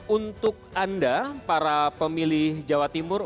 untuk anda para pemilih jawa timur